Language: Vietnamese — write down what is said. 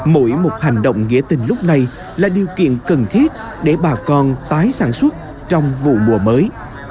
mỗi một hành động nghĩa tình lúc này là điều kiện cần thiết để bà con tái sản xuất trong vụ mùa mới